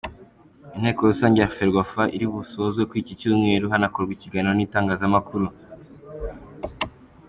Inteko rusange ya Ferwafa iri busozwe kuri iki Cyumweru hanakorwa ikiganiro n’itangazamakuru.